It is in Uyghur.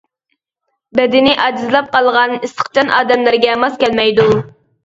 بەدىنى ئاجىزلاپ قالغان ئىسسىقچان ئادەملەرگە ماس كەلمەيدۇ.